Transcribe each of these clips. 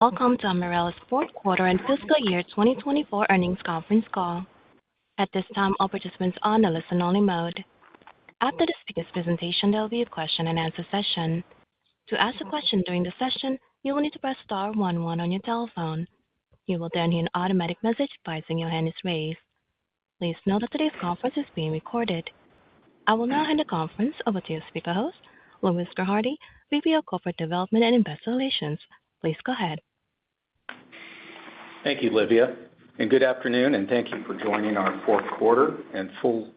Welcome to Ambarella's fourth quarter and fiscal year 2024 Earnings Conference Call. At this time, all participants are on a listen-only mode. After the speaker's presentation, there will be a question-and-answer session. To ask a question during the session, you will need to press star one one on your telephone. You will then hear an automatic message advising your hand is raised. Please note that today's conference is being recorded. I will now hand the conference over to your speaker host, Louis Gerhardy, VP of Corporate Development and Investor Relations. Please go ahead. Thank you, Livia, and good afternoon, and thank you for joining our fourth quarter and full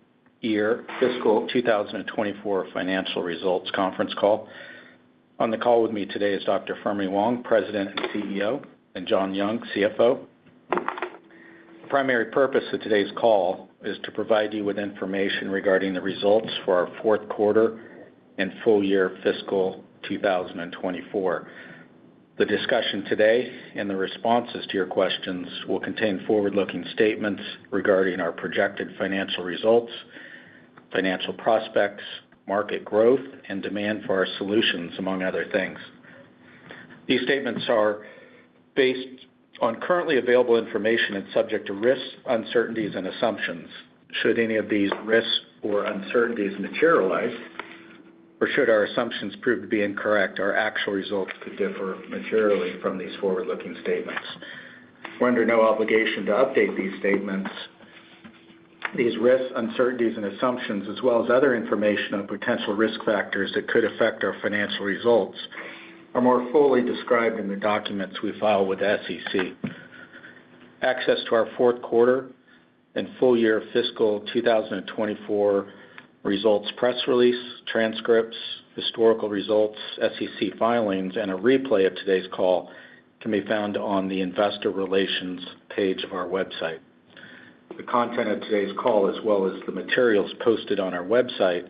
year fiscal 2024 financial results conference call. On the call with me today is Dr. Fermi Wang, President and CEO, and John Young, CFO. The primary purpose of today's call is to provide you with information regarding the results for our fourth quarter and full year fiscal 2024. The discussion today and the responses to your questions will contain forward-looking statements regarding our projected financial results, financial prospects, market growth, and demand for our solutions, among other things. These statements are based on currently available information and subject to risks, uncertainties and assumptions. Should any of these risks or uncertainties materialize, or should our assumptions prove to be incorrect, our actual results could differ materially from these forward-looking statements. We are under no obligation to update these statements. These risks, uncertainties, and assumptions, as well as other information on potential risk factors that could affect our financial results, are more fully described in the documents we file with the SEC. Access to our fourth quarter and full year fiscal 2024 results, press release, transcripts, historical results, SEC filings, and a replay of today's call can be found on the investor relations page of our website. The content of today's call, as well as the materials posted on our website,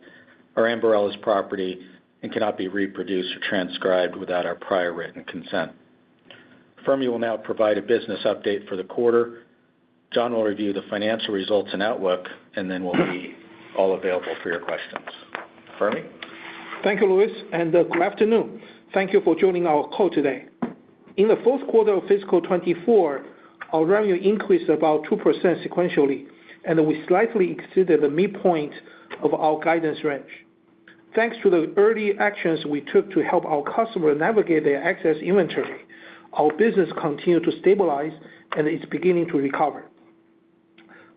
are Ambarella's property and cannot be reproduced or transcribed without our prior written consent. Fermi will now provide a business update for the quarter. John will review the financial results and outlook, and then we'll be all available for your questions. Fermi? Thank you, Louis, and good afternoon. Thank you for joining our call today. In the fourth quarter of fiscal 2024, our revenue increased about 2% sequentially, and we slightly exceeded the midpoint of our guidance range. Thanks to the early actions we took to help our customer navigate their excess inventory, our business continued to stabilize and is beginning to recover.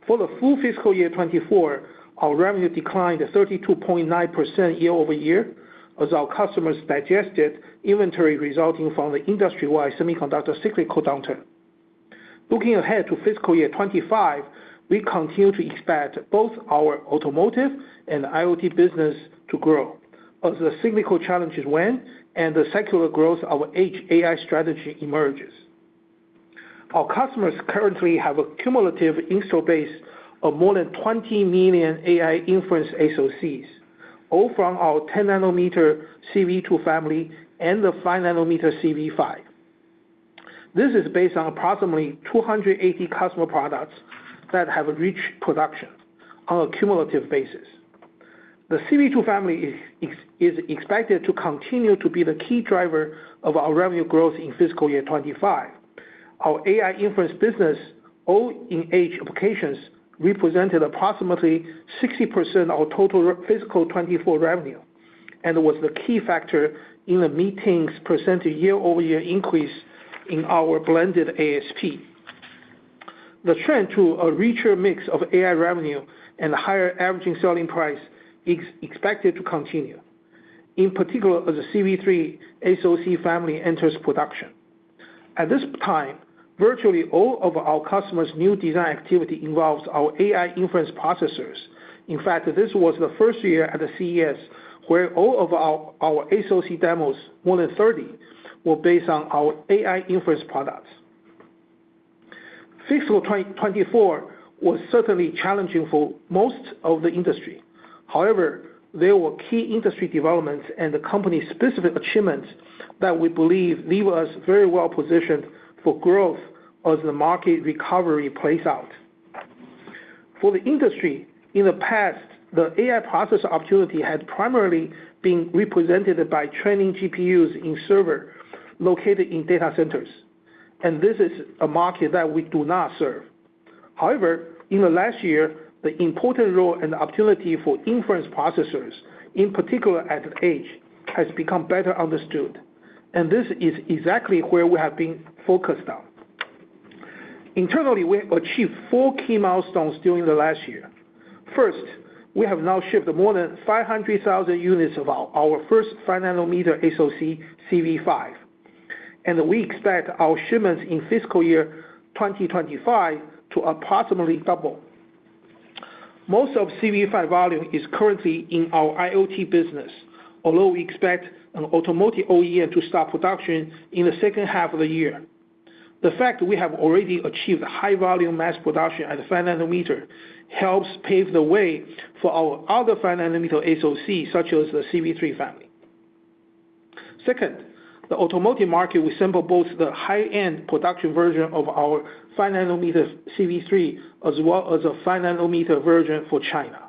For the full fiscal year 2024, our revenue declined 32.9% year-over-year, as our customers digested inventory resulting from the industry-wide semiconductor cyclical downturn. Looking ahead to fiscal year 2025, we continue to expect both our automotive and IoT business to grow as the cyclical challenges wane and the secular growth of our Edge AI strategy emerges. Our customers currently have a cumulative install base of more than 20 million AI inference SoCs, all from our 10 nanometer CV2 family and the 5 nanometer CV5. This is based on approximately 280 customer products that have reached production on a cumulative basis. The CV2 family is expected to continue to be the key driver of our revenue growth in fiscal year 2025. Our AI inference business, all in Edge applications, represented approximately 60% of total fiscal 2024 revenue and was the key factor in the meaningful percentage year-over-year increase in our blended ASP. The trend to a richer mix of AI revenue and higher average selling price is expected to continue, in particular, as the CV3 SoC family enters production. At this time, virtually all of our customers' new design activity involves our AI inference processors. In fact, this was the first year at the CES, where all of our, our SoC demos, more than 30, were based on our AI inference products. Fiscal 2024 was certainly challenging for most of the industry. However, there were key industry developments and the company's specific achievements that we believe leave us very well positioned for growth as the market recovery plays out. For the industry, in the past, the AI process opportunity had primarily been represented by training GPUs in server located in data centers, and this is a market that we do not serve. However, in the last year, the important role and opportunity for inference processors, in particular at edge, has become better understood, and this is exactly where we have been focused on. Internally, we achieved four key milestones during the last year. First, we have now shipped more than 500,000 units of our first 5 nanometer SoC, CV5, and we expect our shipments in fiscal year 2025 to approximately double. Most of CV5 volume is currently in our IoT business, although we expect an automotive OEM to start production in the second half of the year. The fact we have already achieved high volume mass production at the 5 nanometer helps pave the way for our other 5 nanometer SoC, such as the CV3 family. Second, the automotive market will assemble both the high-end production version of our 5 nanometer CV3, as well as a 5-nanometer version for China.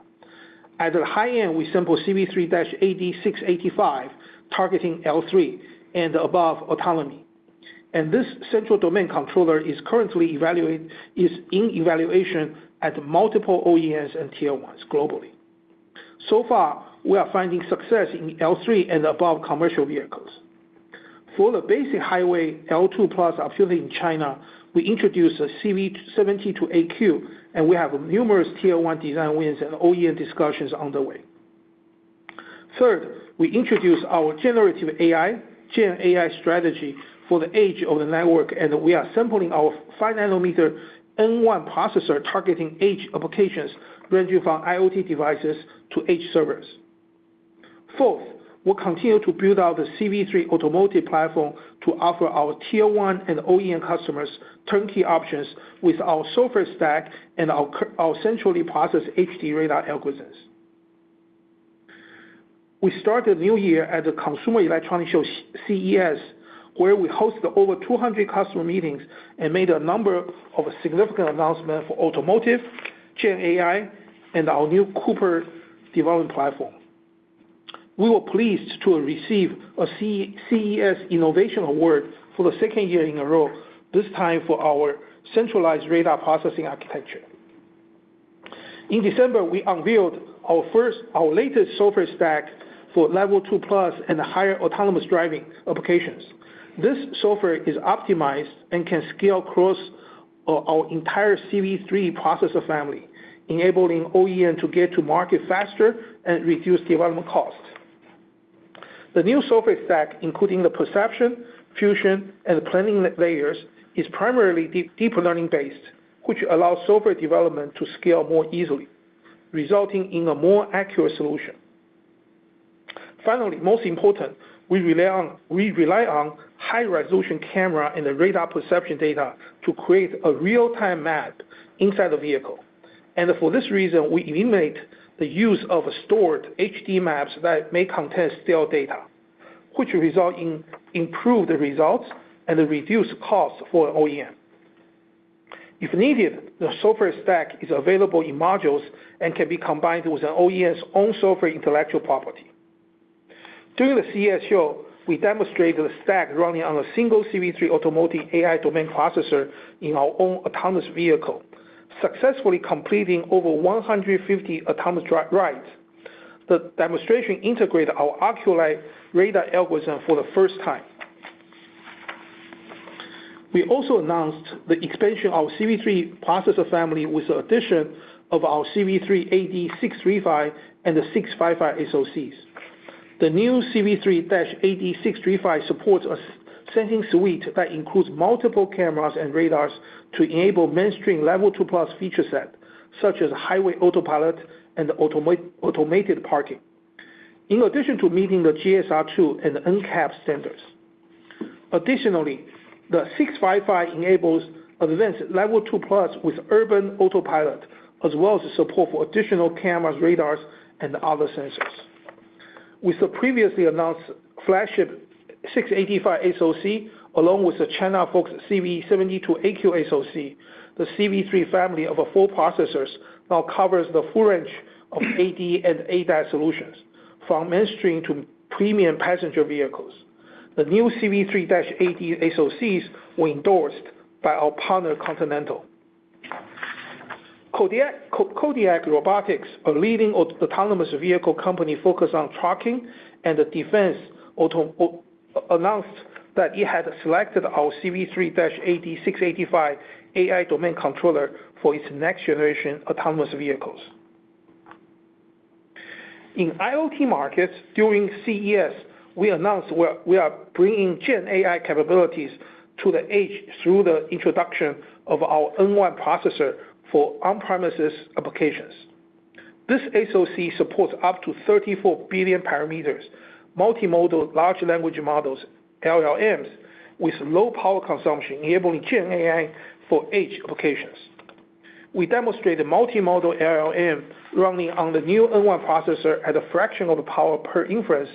At the high end, we sample CV3-AD685, targeting L3 and above autonomy. And this central domain controller is currently in evaluation at multiple OEMs and Tier 1s globally. So far, we are finding success in L3 and above commercial vehicles. For the basic highway L2+ auxiliary in China, we introduced a CV72AQ, and we have numerous Tier 1 design wins and OEM discussions underway. Third, we introduced our generative AI, Gen AI strategy for the age of the network, and we are sampling our 5-nanometer N1 processor, targeting edge applications, ranging from IoT devices to edge servers. Fourth, we'll continue to build out the CV3 automotive platform to offer our Tier 1 and OEM customers turnkey options with our software stack and our centrally processed HD radar algorithms. We started the new year at the Consumer Electronics Show, CES, where we hosted over 200 customer meetings and made a number of significant announcement for automotive, Gen AI, and our new Cooper development platform. We were pleased to receive a CES Innovation Award for the second year in a row, this time for our centralized radar processing architecture. In December, we unveiled our latest software stack for Level 2 Plus and higher autonomous driving applications. This software is optimized and can scale across our entire CV3 processor family, enabling OEM to get to market faster and reduce development costs. The new software stack, including the perception, fusion, and planning layers, is primarily deeper learning-based, which allows software development to scale more easily, resulting in a more accurate solution. Finally, most important, we rely on high-resolution camera and the radar perception data to create a real-time map inside the vehicle. And for this reason, we eliminate the use of a stored HD maps that may contain stale data, which result in improved results and a reduced cost for OEM. If needed, the software stack is available in modules and can be combined with an OEM's own software intellectual property. During the CES show, we demonstrated a stack running on a single CV3 automotive AI domain processor in our own autonomous vehicle, successfully completing over 150 autonomous drive rides. The demonstration integrated our Oculii radar algorithm for the first time. We also announced the expansion of CV3 processor family with the addition of our CV3-AD635 and the CV3-AD655 SoCs. The new CV3-AD635 supports a sensing suite that includes multiple cameras and radars to enable mainstream Level 2 Plus feature set, such as highway autopilot and automated parking. In addition to meeting the GSR2 and NCAP standards. Additionally, the CV3-AD655 enables advanced Level 2 Plus with urban autopilot, as well as the support for additional cameras, radars, and other sensors. With the previously announced flagship CV3-AD685 SoC, along with the China-focused CV72AQ SoC, the CV3 family of four processors now covers the full range of AD and ADAS solutions, from mainstream to premium passenger vehicles. The new CV3-AD SoCs were endorsed by our partner, Continental. Kodiak Robotics, a leading autonomous vehicle company focused on trucking and the defense auto, announced that it had selected our CV3-AD685 AI domain controller for its next-generation autonomous vehicles. In IoT markets, during CES, we announced we are bringing Gen AI capabilities to the edge through the introduction of our N1 processor for on-premises applications. This SoC supports up to 34 billion parameters, multimodal large language models, LLMs, with low power consumption, enabling Gen AI for edge applications. We demonstrated multimodal LLM running on the new N1 processor at a fraction of the power per inference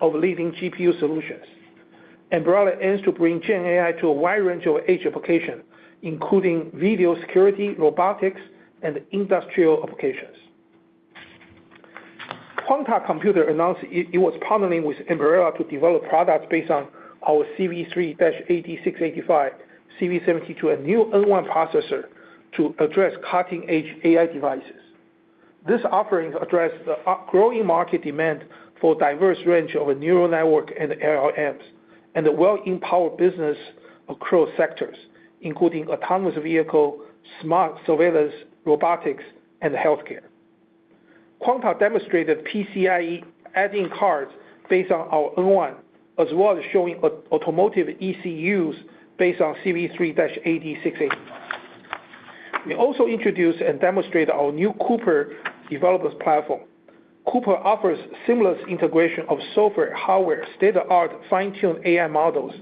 of leading GPU solutions. Ambarella aims to bring Gen AI to a wide range of edge applications, including video security, robotics, and industrial applications. Quanta Computer announced that it was partnering with Ambarella to develop products based on our CV3-AD685, CV72, a new N1 processor to address cutting-edge AI devices. This offering addresses the growing market demand for diverse range of neural network and LLMs, and the AI-empowered businesses across sectors, including autonomous vehicle, smart surveillance, robotics, and healthcare. Quanta demonstrated PCIe add-in cards based on our N1, as well as showing automotive ECUs based on CV3-AD685. We also introduced and demonstrated our new Cooper Developer Platform. Cooper offers seamless integration of software, hardware, state-of-the-art, fine-tuned AI models,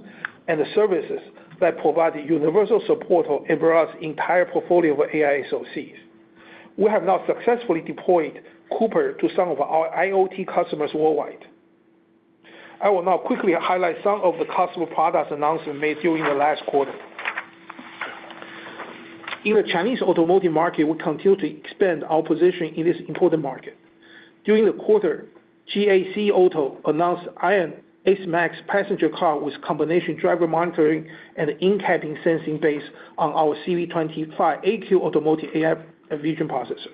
and the services that provide universal support of Ambarella's entire portfolio of AI SoCs. We have now successfully deployed Cooper to some of our IoT customers worldwide. I will now quickly highlight some of the customer products announcement made during the last quarter. In the Chinese automotive market, we continue to expand our position in this important market. During the quarter, GAC Motor announced Aion S Max passenger car with combination driver monitoring and in-cabin sensing based on our CV25AQ automotive AI vision processor.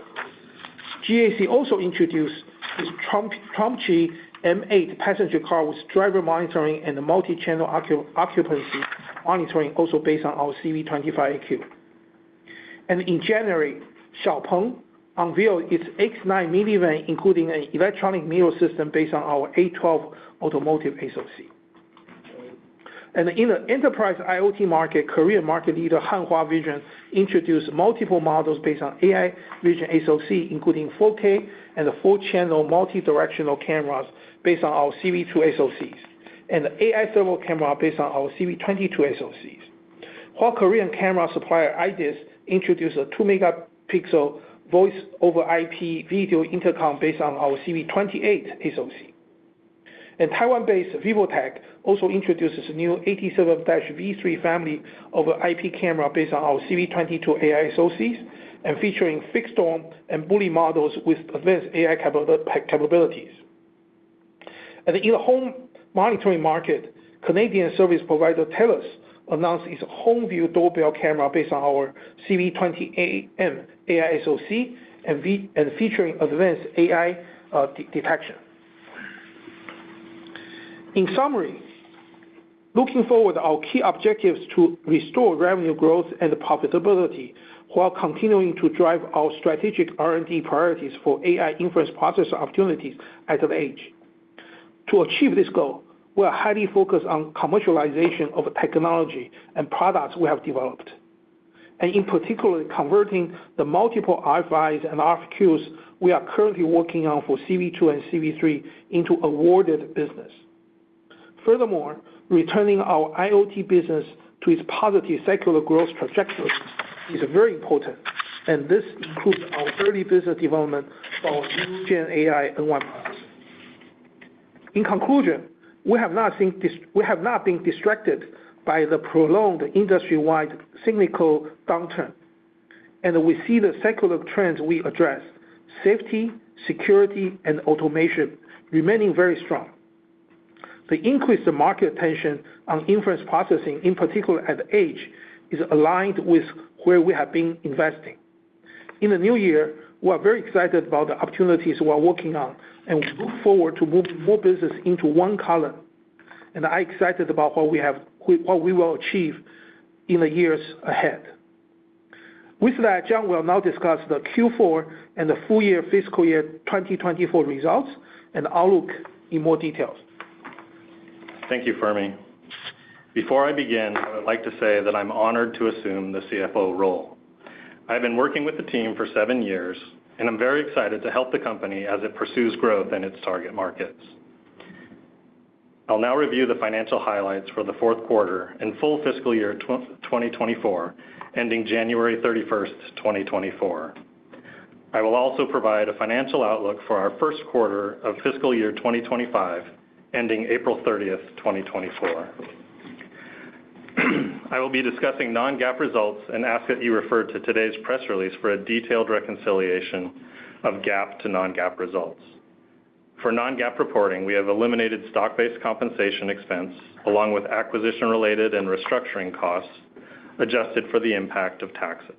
GAC also introduced its Trumpchi M8 passenger car with driver monitoring and the multi-channel occupancy monitoring, also based on our CV25AQ. And in January, XPeng unveiled its X9 minivan, including an electronic mirror system based on our A12 automotive SoC. And in the enterprise IoT market, Korean market leader Hanwha Vision introduced multiple models based on AI vision SoC, including 4K and the four-channel multi-directional cameras based on our CV2 SoCs, and the AI thermal camera based on our CV22 SoCs. While Korean camera supplier IDIS introduced a 2-megapixel voice over IP video intercom based on our CV28 SoC. Taiwan-based VIVOTEK also introduces a new 87-V3 family IP camera based on our CV22 AI SoCs, and featuring fixed dome and bullet models with advanced AI capabilities. In the home monitoring market, Canadian service provider Telus announced its HomeView doorbell camera based on our CV20AM AI SoC, and featuring advanced AI detection. In summary, looking forward, our key objective is to restore revenue growth and profitability while continuing to drive our strategic R&D priorities for AI inference processor opportunities at the edge. To achieve this goal, we are highly focused on commercialization of the technology and products we have developed, and in particular, converting the multiple RFIs and RFQs we are currently working on for CV2 and CV3 into awarded business. Furthermore, returning our IoT business to its positive secular growth trajectory is very important, and this includes our early business development of new Gen AI and products. In conclusion, we have not been distracted by the prolonged industry-wide cyclical downturn, and we see the secular trends we address: safety, security, and automation remaining very strong. The increased market attention on inference processing, in particular at the edge, is aligned with where we have been investing. In the new year, we are very excited about the opportunities we are working on, and we look forward to move more business into win column, and I'm excited about what we will achieve in the years ahead. With that, John will now discuss the Q4 and the full year fiscal year 2024 results and outlook in more detail. Thank you, Fermi. Before I begin, I would like to say that I'm honored to assume the CFO role. I've been working with the team for 7 years, and I'm very excited to help the company as it pursues growth in its target markets. I'll now review the financial highlights for the fourth quarter and full fiscal year 2024, ending January 31, 2024. I will also provide a financial outlook for our first quarter of fiscal year 2025, ending April 30, 2024. I will be discussing non-GAAP results and ask that you refer to today's press release for a detailed reconciliation of GAAP to non-GAAP results. For non-GAAP reporting, we have eliminated stock-based compensation expense, along with acquisition-related and restructuring costs, adjusted for the impact of taxes.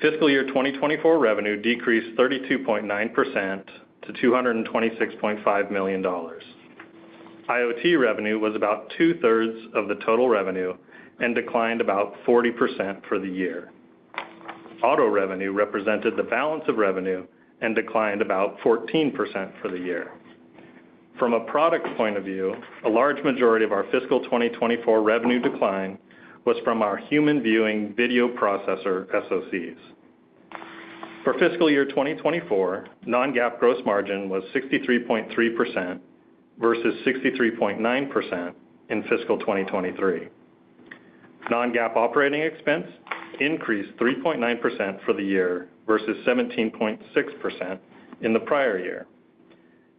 Fiscal year 2024 revenue decreased 32.9% to $226.5 million. IoT revenue was about two-thirds of the total revenue and declined about 40% for the year. Auto revenue represented the balance of revenue and declined about 14% for the year. From a product point of view, a large majority of our fiscal 2024 revenue decline was from our human viewing video processor SoCs. For fiscal year 2024, non-GAAP gross margin was 63.3% versus 63.9% in fiscal 2023. Non-GAAP operating expense increased 3.9% for the year versus 17.6% in the prior year.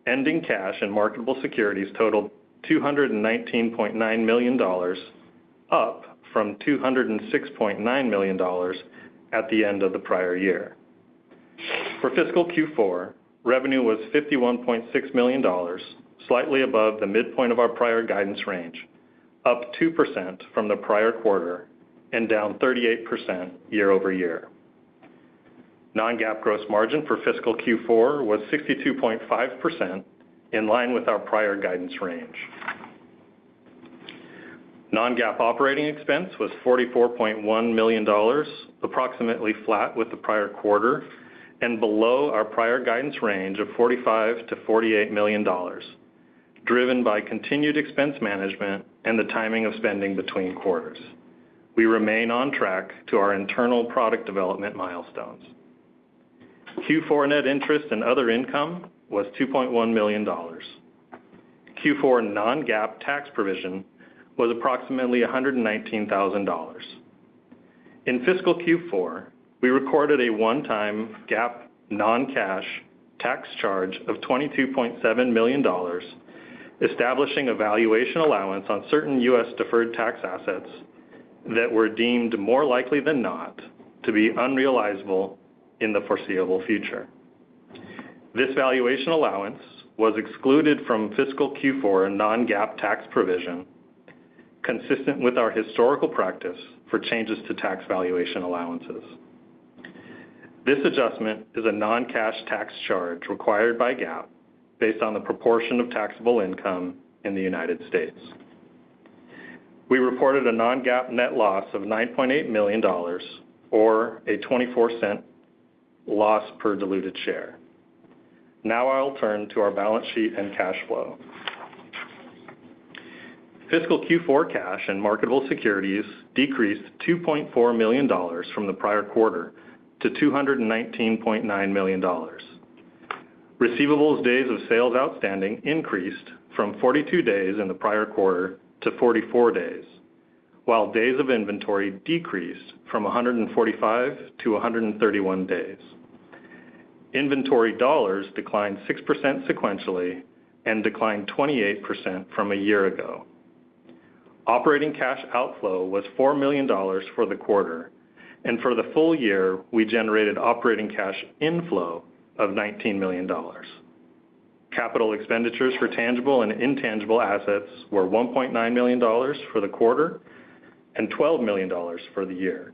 Ending cash and marketable securities totaled $219.9 million, up from $206.9 million at the end of the prior year. For fiscal Q4, revenue was $51.6 million, slightly above the midpoint of our prior guidance range, up 2% from the prior quarter and down 38% year-over-year. Non-GAAP gross margin for fiscal Q4 was 62.5%, in line with our prior guidance range. Non-GAAP operating expense was $44.1 million, approximately flat with the prior quarter, and below our prior guidance range of $45-$48 million, driven by continued expense management and the timing of spending between quarters. We remain on track to our internal product development milestones. Q4 net interest and other income was $2.1 million. Q4 non-GAAP tax provision was approximately $119,000. In fiscal Q4, we recorded a one-time GAAP non-cash discrete tax charge of $22.7 million, establishing a valuation allowance on certain U.S. deferred tax assets that were deemed more likely than not to be unrealizable in the foreseeable future. This valuation allowance was excluded from fiscal Q4 non-GAAP tax provision, consistent with our historical practice for changes to tax valuation allowances. This adjustment is a non-cash tax charge required by GAAP, based on the proportion of taxable income in the United States. We reported a non-GAAP net loss of $9.8 million, or a $0.24 loss per diluted share. Now I'll turn to our balance sheet and cash flow. Fiscal Q4 cash and marketable securities decreased $2.4 million from the prior quarter to $219.9 million. Receivables days of sales outstanding increased from 42 days in the prior quarter to 44 days, while days of inventory decreased from 145 to 131 days. Inventory dollars declined 6% sequentially and declined 28% from a year ago. Operating cash outflow was $4 million for the quarter, and for the full year, we generated operating cash inflow of $19 million. Capital expenditures for tangible and intangible assets were $1.9 million for the quarter and $12 million for the year.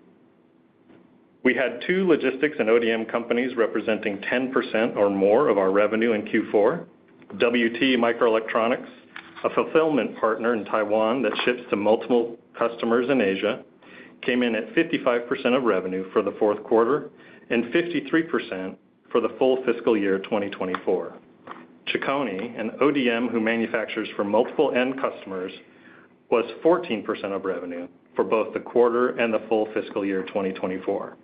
We had 2 logistics and ODM companies representing 10% or more of our revenue in Q4. WT Microelectronics, a fulfillment partner in Taiwan that ships to multiple customers in Asia, came in at 55% of revenue for the fourth quarter and 53% for the full fiscal year 2024. Chicony, an ODM who manufactures for multiple end customers, was 14% of revenue for both the quarter and the full fiscal year, 2024.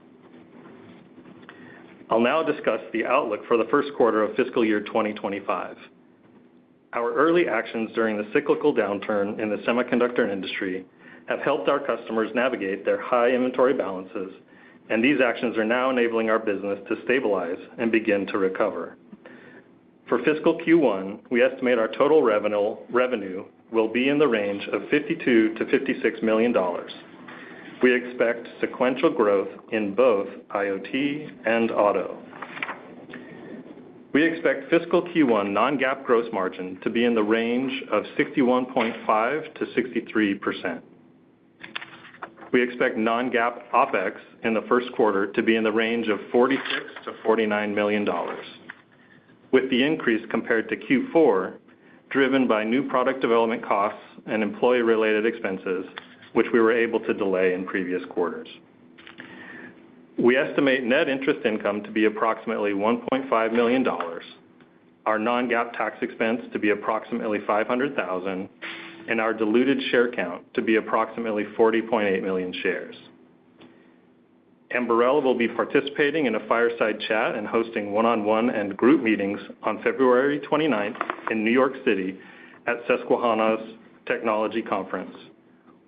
I'll now discuss the outlook for the first quarter of fiscal year 2025. Our early actions during the cyclical downturn in the semiconductor industry have helped our customers navigate their high inventory balances, and these actions are now enabling our business to stabilize and begin to recover. For fiscal Q1, we estimate our total revenue will be in the range of $52 million-$56 million. We expect sequential growth in both IoT and auto. We expect fiscal Q1 non-GAAP gross margin to be in the range of 61.5%-63%. We expect non-GAAP OpEx in the first quarter to be in the range of $46 million-$49 million, with the increase compared to Q4, driven by new product development costs and employee-related expenses, which we were able to delay in previous quarters. We estimate net interest income to be approximately $1.5 million, our non-GAAP tax expense to be approximately $500,000, and our diluted share count to be approximately 40.8 million shares. Ambarella will be participating in a fireside chat and hosting one-on-one and group meetings on February 29 in New York City at Susquehanna's Technology Conference.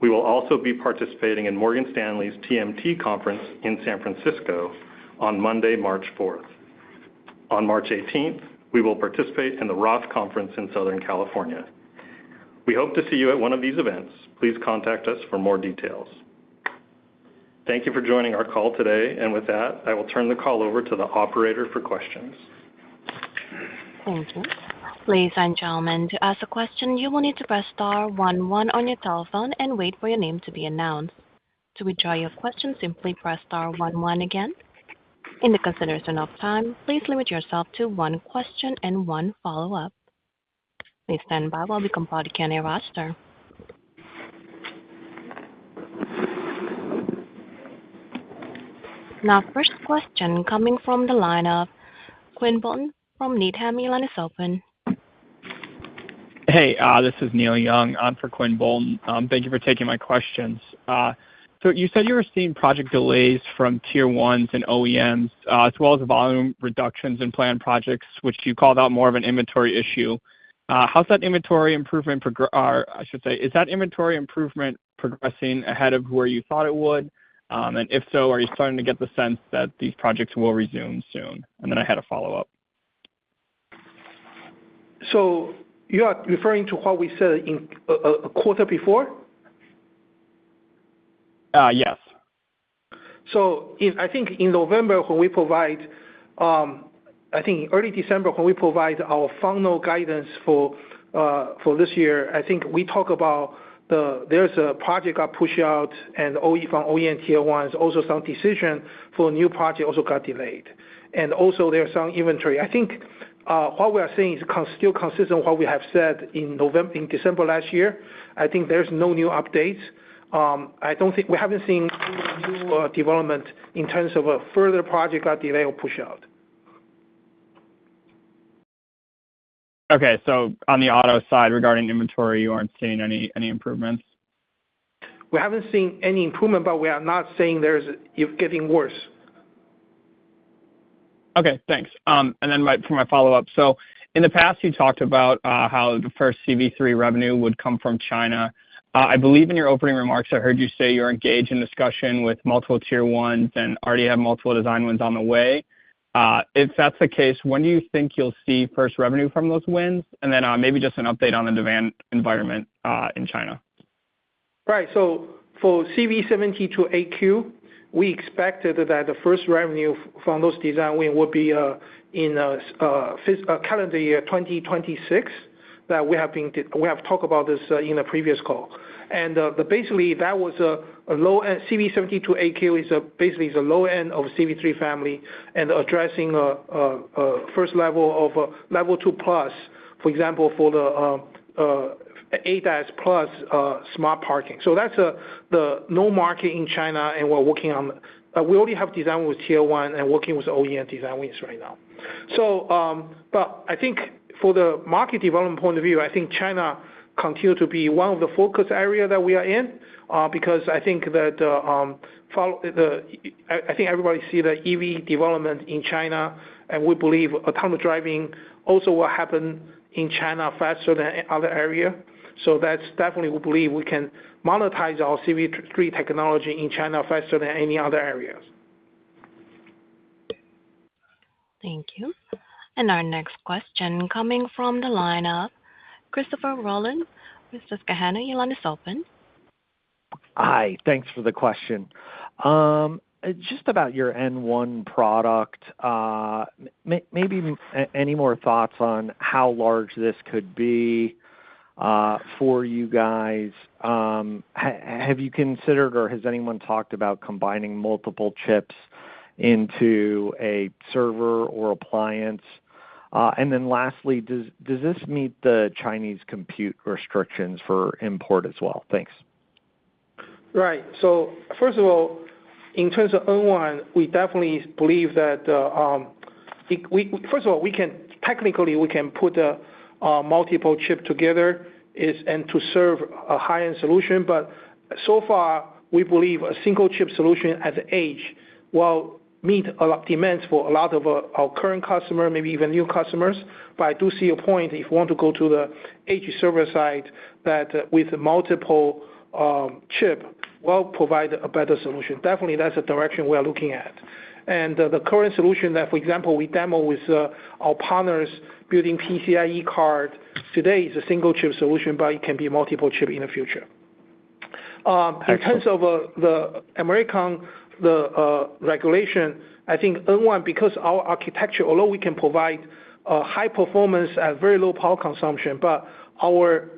We will also be participating in Morgan Stanley's TMT conference in San Francisco on Monday, March 4. On March 18, we will participate in the Roth Conference in Southern California. We hope to see you at one of these events. Please contact us for more details. Thank you for joining our call today, and with that, I will turn the call over to the operator for questions. Thank you. Ladies and gentlemen, to ask a question, you will need to press star one one on your telephone and wait for your name to be announced. To withdraw your question, simply press star one one again. In the consideration of time, please limit yourself to one question and one follow-up. Please stand by while we compile the attendee roster. Our first question coming from the line of Quinn Bolton from Needham, your line is open. Hey, this is Nick Doyle. I'm for Quinn Bolton. Thank you for taking my questions. So you said you were seeing project delays from Tier 1s and OEMs, as well as volume reductions in planned projects, which you called out more of an inventory issue. How's that inventory improvement or I should say, is that inventory improvement progressing ahead of where you thought it would? And if so, are you starting to get the sense that these projects will resume soon? And then I had a follow-up. You are referring to what we said in a quarter before? Uh, yes. So, I think in November, when we provide, I think early December, when we provide our final guidance for this year, I think we talk about there's a project got pushed out and OEM from OEM and Tier 1s, also some decision for a new project also got delayed. And also there are some inventory. I think what we are seeing is still consistent with what we have said in December last year. I think there's no new updates. I don't think we haven't seen new development in terms of a further project got delayed or pushed out. Okay. So on the auto side, regarding inventory, you aren't seeing any improvements? We haven't seen any improvement, but we are not saying there's it getting worse. Okay, thanks. And then for my follow-up: So in the past, you talked about how the first CV3 revenue would come from China. I believe in your opening remarks, I heard you say you're engaged in discussion with multiple Tier 1s and already have multiple design wins on the way. If that's the case, when do you think you'll see first revenue from those wins? And then, maybe just an update on the demand environment in China. Right. So for CV72AQ, we expected that the first revenue from those design win would be in calendar year 2026, that we have talked about this in a previous call. But basically, that was a low-end. CV72AQ is basically a low end of CV3 family and addressing first level of level 2+, for example, for the ADAS plus smart parking. So that's the low market in China, and we're working on. We already have design with Tier 1 and working with OEM design wins right now. So, but I think for the market development point of view, I think China continue to be one of the focus area that we are in, because I think that, I think everybody see the EV development in China, and we believe autonomous driving also will happen in China faster than other area. So that's definitely, we believe we can monetize our CV3 technology in China faster than any other areas. Thank you. Our next question coming from the line of Christopher Rolland with Susquehanna. Your line is open. Hi, thanks for the question. Just about your N1 product, maybe any more thoughts on how large this could be for you guys? Have you considered, or has anyone talked about combining multiple chips into a server or appliance? And then lastly, does this meet the Chinese compute restrictions for import as well? Thanks. Right. So first of all, in terms of N1, we definitely believe that, first of all, we can, technically, we can put multiple chip together, is, and to serve a high-end solution, but so far, we believe a single chip solution at the edge will meet a lot demands for a lot of our current customer, maybe even new customers. But I do see a point, if we want to go to the edge server side, that, with multiple chip, will provide a better solution. Definitely, that's the direction we are looking at. The current solution that, for example, we demo with our partners building PCIe card today, is a single chip solution, but it can be multiple chip in the future. In terms of the American regulation, I think N1, because our architecture, although we can provide a high performance at very low power consumption, but our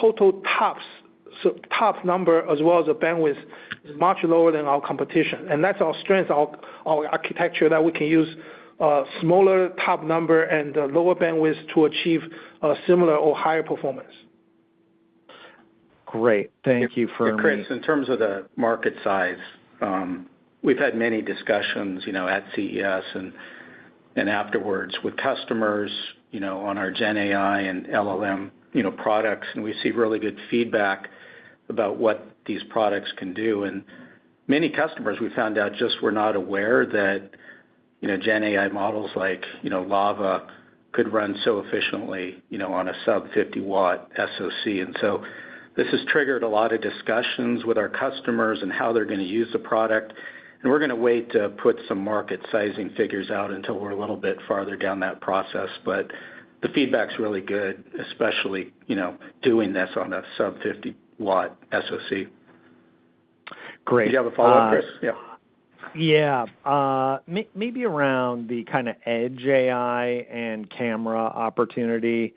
total TOPS, so TOPS number, as well as the bandwidth, is much lower than our competition. And that's our strength, our architecture, that we can use smaller TOPS number and lower bandwidth to achieve a similar or higher performance. Great. Thank you. And Chris, in terms of the market size, we've had many discussions, you know, at CES and afterwards with customers, you know, on our Gen AI and LLM, you know, products, and we see really good feedback about what these products can do. And many customers, we found out, just were not aware that, you know, Gen AI models like, you know, LLaVA, could run so efficiently, you know, on a sub-50-watt SoC. And so this has triggered a lot of discussions with our customers and how they're gonna use the product. And we're gonna wait to put some market sizing figures out until we're a little bit farther down that process, but the feedback's really good, especially, you know, doing this on a sub-50-watt SoC. Great. You have a follow-up, Chris? Yeah. Yeah. Maybe around the kinda Edge AI and camera opportunity,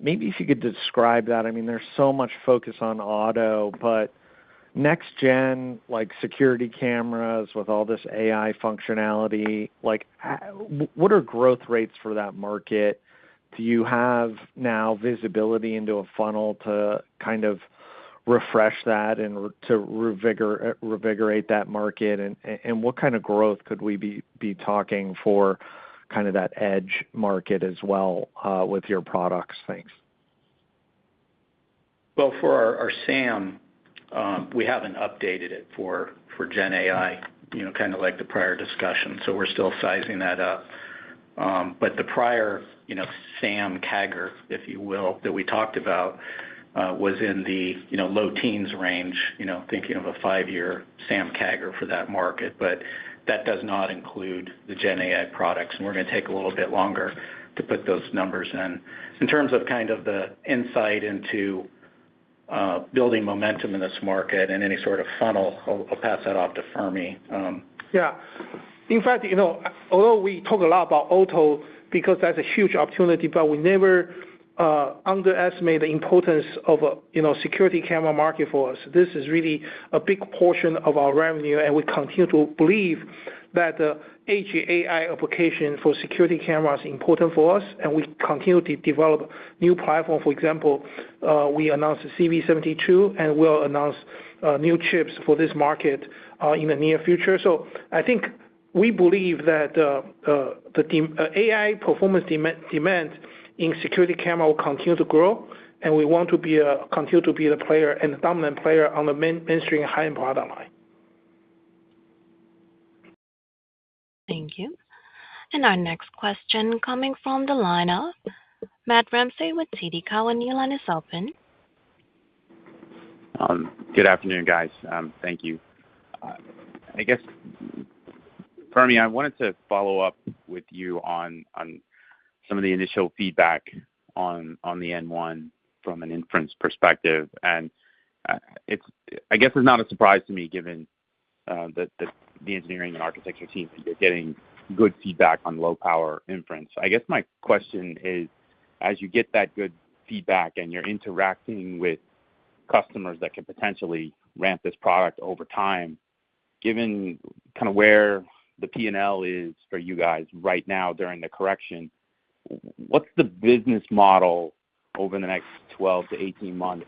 maybe if you could describe that. I mean, there's so much focus on auto, but next gen, like security cameras with all this AI functionality, like, what are growth rates for that market? Do you have now visibility into a funnel to kind of refresh that and to reinvigorate that market? And, and, and what kind of growth could we be talking for kind of that edge market as well, with your products? Thanks. Well, for our SAM, we haven't updated it for gen AI, you know, kind of like the prior discussion, so we're still sizing that up. But the prior SAM CAGR, if you will, that we talked about, was in the low teens range, you know, thinking of a five-year SAM CAGR for that market. But that does not include the gen AI products, and we're gonna take a little bit longer to put those numbers in. In terms of kind of the insight into building momentum in this market and any sort of funnel, I'll pass that off to Fermi. Yeah. In fact, you know, although we talk a lot about auto, because that's a huge opportunity, but we never underestimate the importance of, you know, security camera market for us. This is really a big portion of our revenue, and we continue to believe that Edge AI application for security camera is important for us, and we continue to develop new platform. For example, we announced the CV72, and we'll announce new chips for this market in the near future. So I think we believe that AI performance demand in security camera will continue to grow, and we want to be continue to be the player and the dominant player on the mainstream high-end product line. Thank you. Our next question coming from the lineup, Matt Ramsay with TD Cowen. Your line is open. Good afternoon, guys. Thank you. I guess, Fermi, I wanted to follow up with you on some of the initial feedback on the N1 from an inference perspective. It's not a surprise to me, given that the engineering and architecture team, you're getting good feedback on low power inference. I guess my question is, as you get that good feedback, and you're interacting with customers that could potentially ramp this product over time, given kind of where the P&L is for you guys right now during the correction, what's the business model over the next 12-18 months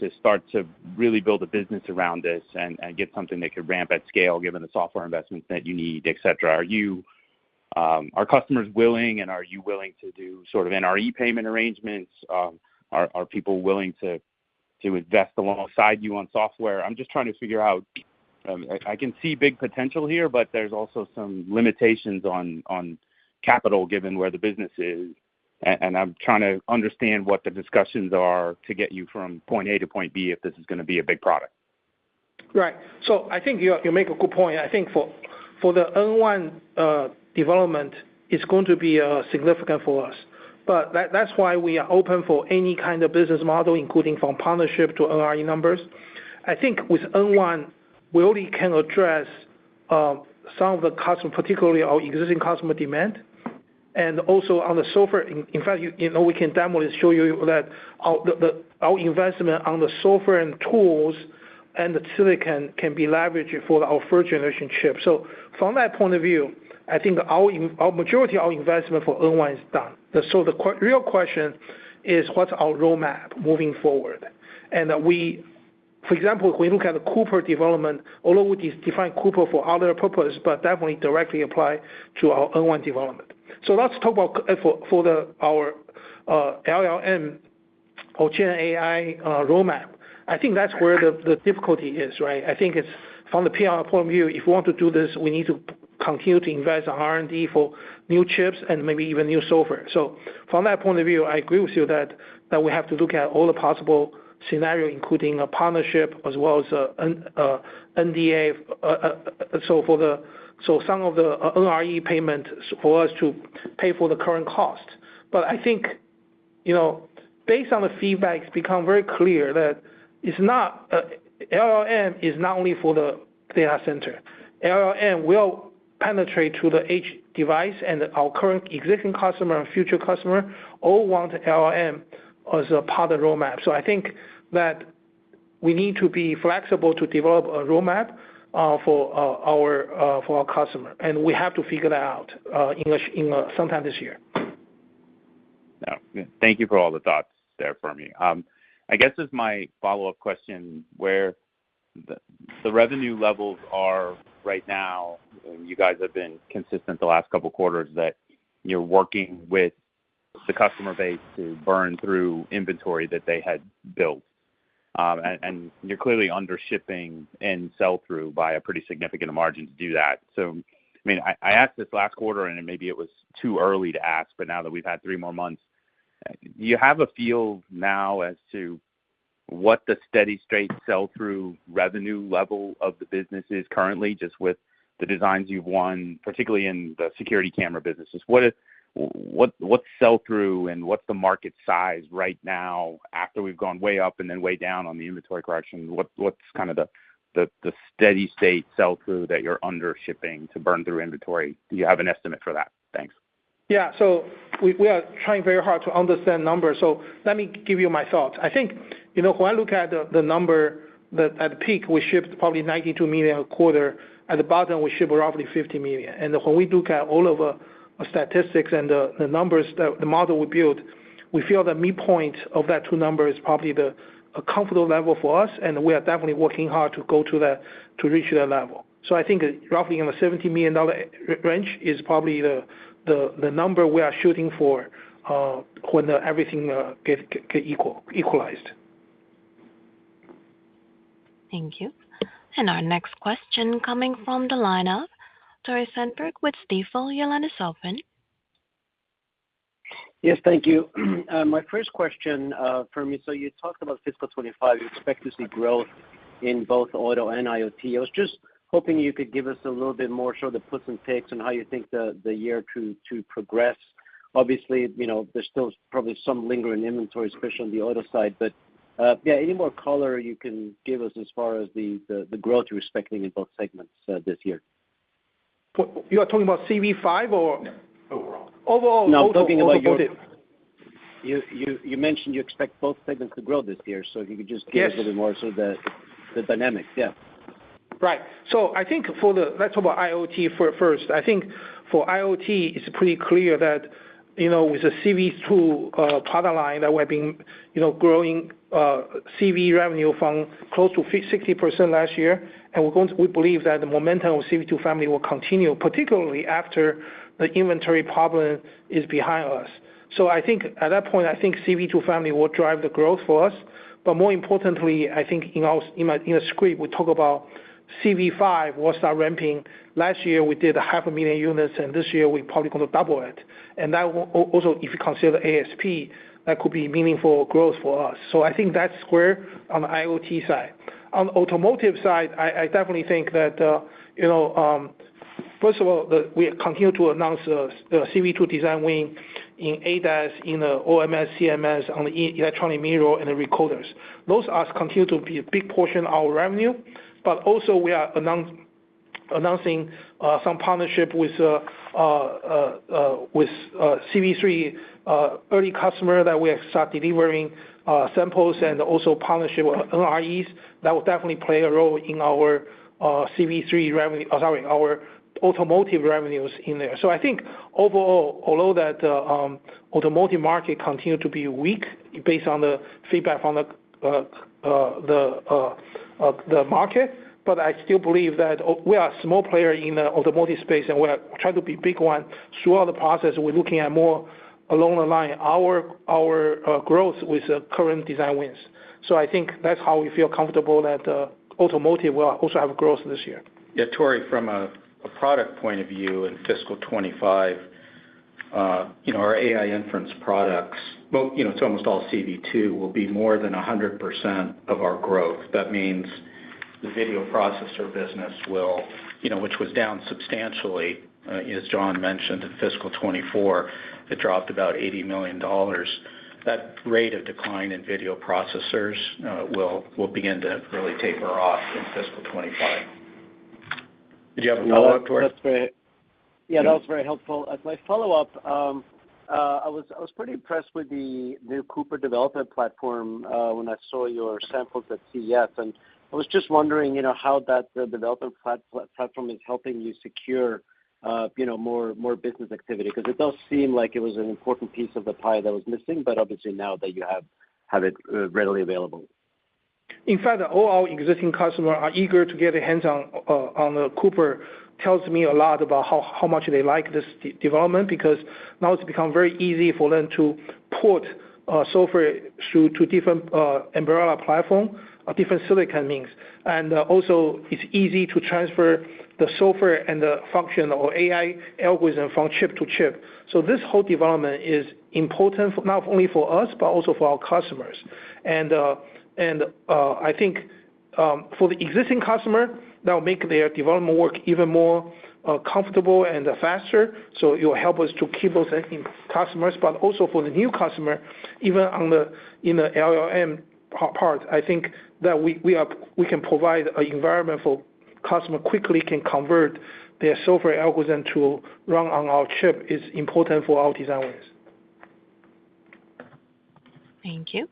to start to really build a business around this and get something that could ramp at scale, given the software investments that you need, etc? Are customers willing, and are you willing to do sort of NRE payment arrangements? Are people willing to invest alongside you on software? I'm just trying to figure out, I can see big potential here, but there's also some limitations on capital, given where the business is. And I'm trying to understand what the discussions are to get you from point A to point B, if this is gonna be a big product. Right. So I think you make a good point. I think for the N1 development, it's going to be significant for us. But that's why we are open for any kind of business model, including from partnership to NRE numbers. I think with N1, we only can address some of the custom, particularly our existing customer demand, and also on the software. In fact, you know, we can demo and show you that our investment on the software and tools and the silicon can be leveraged for our first generation chip. So from that point of view, I think our majority of our investment for N1 is done. So the real question is, what's our roadmap moving forward? And we, for example, if we look at the Cooper development, although we define Cooper for other purpose, but definitely directly apply to our N1 development. So let's talk about for our LLM or GenAI roadmap. I think that's where the difficulty is, right? I think it's from the PR point of view, if we want to do this, we need to continue to invest in R&D for new chips and maybe even new software. So from that point of view, I agree with you that we have to look at all the possible scenario, including a partnership as well as an NRE, so for the so some of the NRE payment for us to pay for the current cost. But I think, you know, based on the feedback, it's become very clear that it's not. LLM is not only for the data center. LLM will penetrate to the edge device and our current existing customer and future customer all want LLM as a part of the roadmap. So I think that we need to be flexible to develop a roadmap for our customer, and we have to figure that out sometime this year. Yeah. Thank you for all the thoughts there, Fermi. I guess as my follow-up question, where the revenue levels are right now, and you guys have been consistent the last couple of quarters, that you're working with the customer base to burn through inventory that they had built. And you're clearly under shipping and sell through by a pretty significant margin to do that. So, I mean, I asked this last quarter, and maybe it was too early to ask, but now that we've had three more months, do you have a feel now as to what the steady state sell-through revenue level of the business is currently, just with the designs you've won, particularly in the security camera business? What is, what's sell-through, and what's the market size right now after we've gone way up and then way down on the inventory correction? What's kind of the steady state sell-through that you're under shipping to burn through inventory? Do you have an estimate for that? Thanks. Yeah. So we are trying very hard to understand numbers. So let me give you my thoughts. I think, you know, when I look at the number, that at peak, we shipped probably $92 million a quarter. At the bottom, we ship roughly $50 million. And when we look at all of the statistics and the numbers, the model we built, we feel the midpoint of those two numbers is probably a comfortable level for us, and we are definitely working hard to go to that, to reach that level. So I think roughly in the $70 million range is probably the number we are shooting for, when everything gets equalized. Thank you. Our next question coming from the lineup, Tore Svanberg with Stifel. Your line is open. Yes, thank you. My first question, for me, so you talked about fiscal 2025. You expect to see growth in both auto and IoT. I was just hoping you could give us a little bit more, sort of the puts and takes on how you think the year to progress. Obviously, you know, there's still probably some lingering inventory, especially on the auto side. But, yeah, any more color you can give us as far as the growth you're expecting in both segments, this year? you are talking about CV5 or- Yeah, overall. Overall- No, I'm talking about both. You mentioned you expect both segments to grow this year, so if you could just... Yes... give a little bit more so the, the dynamic. Yeah. Right. So I think for the, let's talk about IoT first. I think for IoT, it's pretty clear that, you know, with the CV2 product line, that we've been, you know, growing CV revenue from close to 50%-60% last year, and we're going, we believe that the momentum of CV2 family will continue, particularly after the inventory problem is behind us. So I think at that point, I think CV2 family will drive the growth for us. But more importantly, I think in our, in my, in the script, we talk about CV5 will start ramping. Last year, we did 500,000 units, and this year we're probably going to double it. And that will, also, if you consider ASP, that could be meaningful growth for us. So I think that's square on the IoT side. On the automotive side, I definitely think that you know, first of all, we continue to announce the CV2 design win in ADAS, in the OMS, CMS, on the electronic mirror and the recorders. Those continue to be a big portion of our revenue, but also we are announcing some partnership with CV3 early customer that we have started delivering samples and also partnership with OEMs. That will definitely play a role in our CV3 revenue, our automotive revenues in there. So I think overall, although that automotive market continue to be weak, based on the feedback from the market, but I still believe that we are a small player in the automotive space, and we are trying to be big one. Throughout the process, we're looking at more along the line, our growth with the current design wins. So I think that's how we feel comfortable that automotive will also have growth this year. Yeah, Tore, from a product point of view, in fiscal 2025, you know, our AI inference products, well, you know, it's almost all CV2, will be more than 100% of our growth. That means the video processor business will, you know, which was down substantially, as John mentioned, in fiscal 2024, it dropped about $80 million. That rate of decline in video processors will begin to really taper off in fiscal 2025. Did you have a follow-up, Tore? That's great. Yeah, that was very helpful. As my follow-up, I was pretty impressed with the new Cooper development platform, when I saw your samples at CES. I was just wondering, you know, how that development platform is helping you secure, you know, more business activity? Because it does seem like it was an important piece of the pie that was missing, but obviously now that you have it, readily available. In fact, all our existing customers are eager to get their hands on the Cooper. Tells me a lot about how much they like this development, because now it's become very easy for them to port software through to different Ambarella platforms, different silicon chips. And I think for the existing customers, that will make their development work even more comfortable and faster, so it will help us to keep those existing customers. But also for the new customer, even in the LLM part, I think that we can provide an environment for customer quickly can convert their software algorithm to run on our chip, is important for our design wins. Thank you.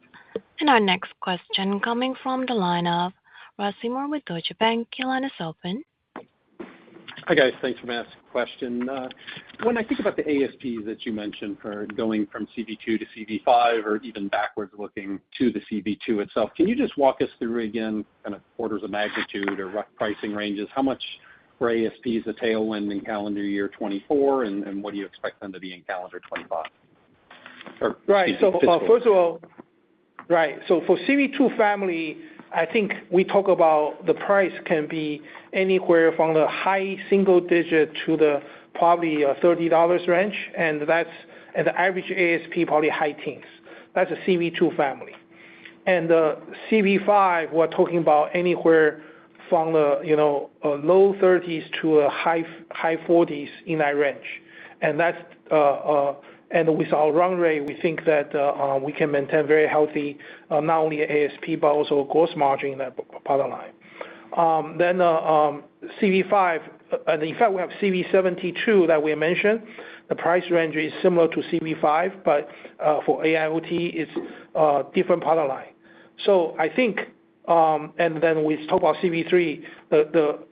Our next question coming from the line of Ross Seymore with Deutsche Bank. Your line is open. Hi, guys. Thanks for asking the question. When I think about the ASPs that you mentioned for going from CV2 to CV5 or even backwards looking to the CV2 itself, can you just walk us through again, kind of, orders of magnitude or what pricing ranges? How much for ASP is a tailwind in calendar year 2024, and, and what do you expect them to be in calendar 2025, or- Right. Fiscal. First of all, right. For CV2 family, I think we talk about the price can be anywhere from the high single digit to the probably $30 range, and that's the average ASP, probably high teens. That's the CV2 family. CV5, we're talking about anywhere from the you know low 30s to a high 40s, in that range. And that's with our run rate, we think that we can maintain very healthy not only ASP, but also gross margin in that product line. CV5, in fact, we have CV72 that we mentioned. The price range is similar to CV5, but for AIoT, it's a different product line. So I think, and then we talk about CV3, the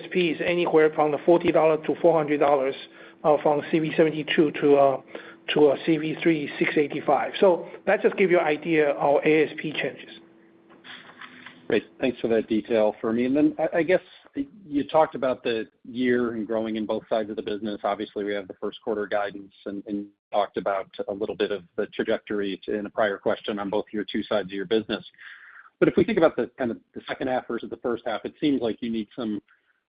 ASP is anywhere from the $40 to $400, from CV72 to a CV3-685. So that just give you an idea how ASP changes. Great. Thanks for that detail for me. And then I guess you talked about the year and growing in both sides of the business. Obviously, we have the first quarter guidance and you talked about a little bit of the trajectory to in a prior question on both your two sides of your business. But if we think about the, kind of, the second half versus the first half, it seems like you need some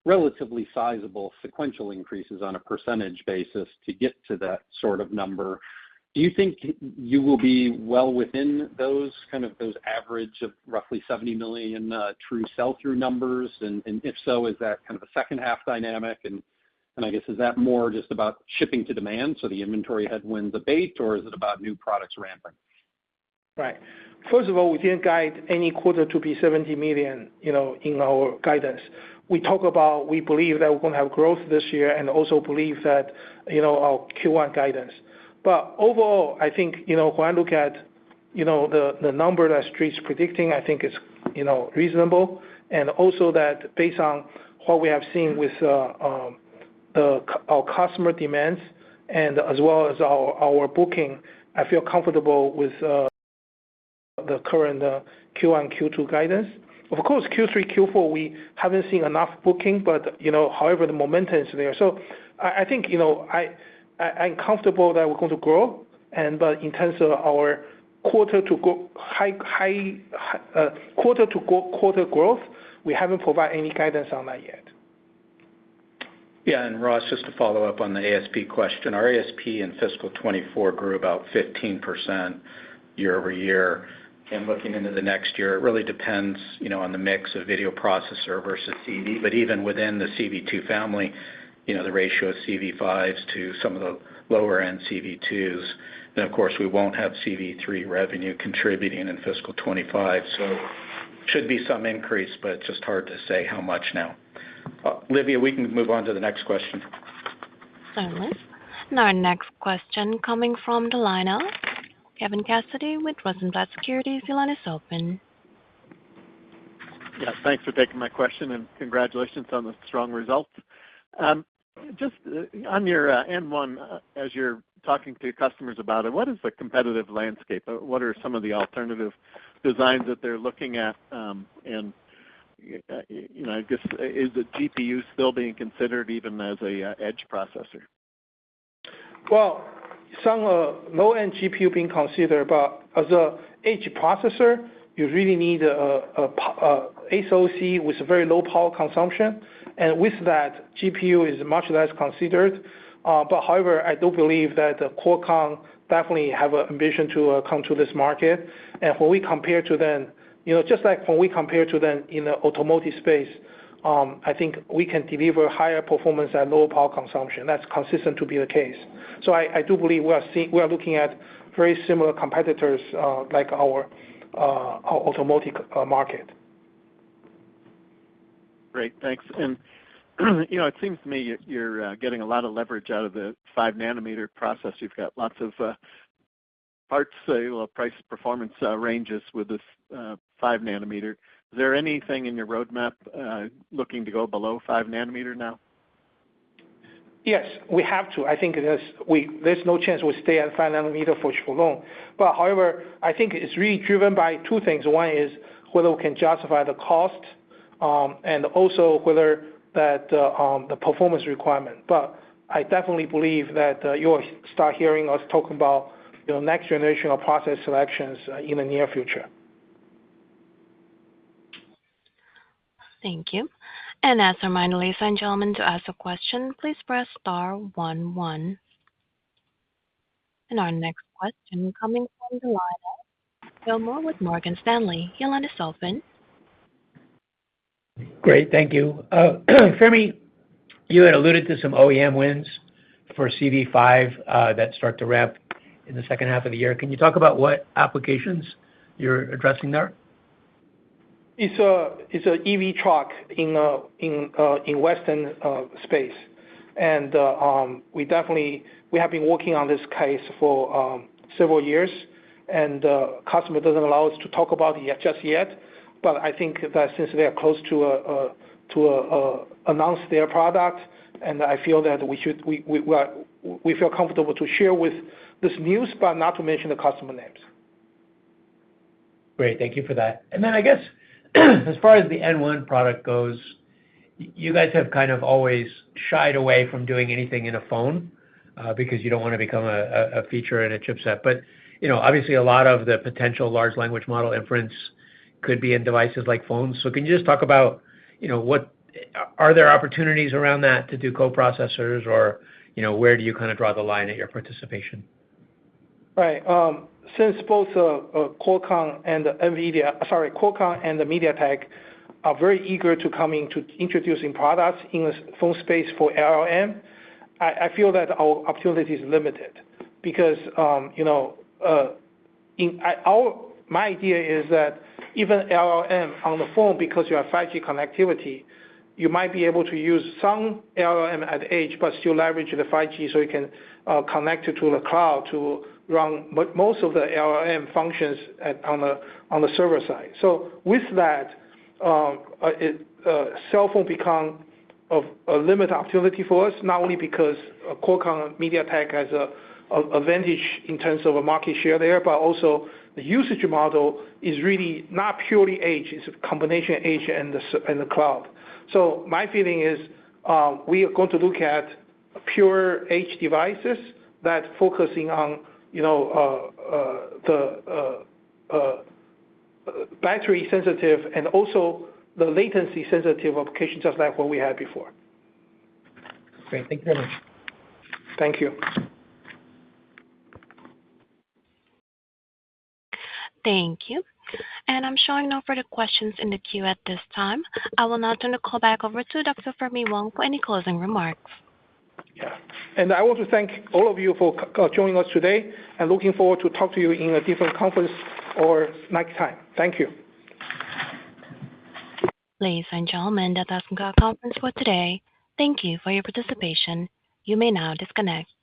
relatively sizable sequential increases on a percentage basis to get to that sort of number. Do you think you will be well within those, kind of, those average of roughly $70 million true sell-through numbers? And if so, is that kind of a second half dynamic? And I guess is that more just about shipping to demand, so the inventory headwinds abate, or is it about new products ramping? Right. First of all, we didn't guide any quarter to be $70 million, you know, in our guidance. We talk about, we believe that we're gonna have growth this year and also believe that, you know, our Q1 guidance. But overall, I think, you know, when I look at, you know, the number that Street's predicting, I think it's, you know, reasonable, and also that based on what we have seen with our customer demands and as well as our booking, I feel comfortable with the current Q1, Q2 guidance. Of course, Q3, Q4, we haven't seen enough booking, but, you know, however, the momentum is there. So I think, you know, I'm comfortable that we're going to grow, and but in terms of our quarter-to-quarter growth, we haven't provided any guidance on that yet. Yeah, and Ross, just to follow up on the ASP question. Our ASP in fiscal 2024 grew about 15% year-over-year, and looking into the next year, it really depends, you know, on the mix of video processor versus CV. But even within the CV2 family, you know, the ratio of CV5s to some of the lower-end CV2s, then, of course, we won't have CV3 revenue contributing in fiscal 2025. So should be some increase, but it's just hard to say how much now. Livia, we can move on to the next question. Certainly. Our next question coming from the line of Kevin Cassidy with Rosenblatt Securities. Your line is open. Yes, thanks for taking my question, and congratulations on the strong results. Just on your N1, as you're talking to customers about it, what is the competitive landscape? What are some of the alternative designs that they're looking at, and you know, I guess, is the GPU still being considered even as a edge processor? Well, some low-end GPU being considered, but as an edge processor, you really need a SoC with very low power consumption. With that, GPU is much less considered. However, I do believe that Qualcomm definitely have an ambition to come to this market. And when we compare to them, you know, just like when we compare to them in the automotive space, I think we can deliver higher performance at lower power consumption. That's consistent to be the case. I do believe we are looking at very similar competitors like our automotive market. Great. Thanks. And, you know, it seems to me you're getting a lot of leverage out of the five-nanometer process. You've got lots of parts, say, well, price performance ranges with this five nanometer. Is there anything in your roadmap looking to go below five nanometer now? Yes, we have to. I think it is. There's no chance we'll stay at 5 nanometer for long. But however, I think it's really driven by 2 things. One is whether we can justify the cost, and also whether the performance requirement. But I definitely believe that you will start hearing us talk about, you know, next generation of process selections, in the near future. Thank you. As a reminder, ladies and gentlemen, to ask a question, please press star one, one. Our next question coming from the line of Joe Moore with Morgan Stanley. Your line is open. Great. Thank you. Fermi, you had alluded to some OEM wins for CV5 that start to ramp in the second half of the year. Can you talk about what applications you're addressing there? It's an EV truck in Western space. We definitely have been working on this case for several years, and the customer doesn't allow us to talk about it yet, just yet. But I think that since they are close to announcing their product, and I feel that we should—we feel comfortable to share this news, but not to mention the customer names. Great. Thank you for that. And then I guess, as far as the N1 product goes, you guys have kind of always shied away from doing anything in a phone, because you don't want to become a feature and a chipset. But, you know, obviously, a lot of the potential large language model inference could be in devices like phones. So can you just talk about, you know, what... Are there opportunities around that to do co-processors or, you know, where do you kind of draw the line at your participation? Right. Since both Qualcomm and NVIDIA, sorry, Qualcomm and the MediaTek are very eager to coming to introducing products in the phone space for LLM, I feel that our opportunity is limited. Because, you know, my idea is that even LLM on the phone, because you have 5G connectivity, you might be able to use some LLM at edge, but still leverage the 5G, so you can connect it to the cloud to run, but most of the LLM functions at, on the, on the server side. So with that, cell phone become of a limited opportunity for us, not only because Qualcomm and MediaTek has a advantage in terms of a market share there, but also the usage model is really not purely edge. It's a combination of edge and the cloud. So my feeling is, we are going to look at pure edge devices that's focusing on, you know, the battery sensitive and also the latency sensitive applications, just like what we had before. Great. Thank you very much. Thank you. Thank you. I'm showing no further questions in the queue at this time. I will now turn the call back over to Dr. Fermi Wang for any closing remarks. Yeah. I want to thank all of you for joining us today, and looking forward to talk to you in a different conference or next time. Thank you. Ladies and gentlemen, that concludes our conference for today. Thank you for your participation. You may now disconnect.